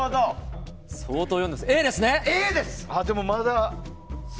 Ａです！